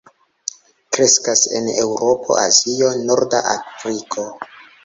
Kreskas en Eŭropo, Azio, norda Afriko.